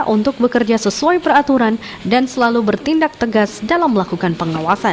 untuk bekerja sesuai peraturan dan selalu bertindak tegas dalam melakukan pengawasan